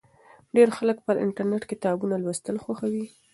ډیر خلک پر انټرنېټ کتابونه لوستل خوښوي.